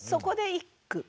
一句。